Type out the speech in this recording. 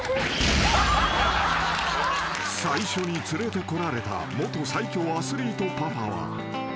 ［最初に連れてこられた元最強アスリートパパは］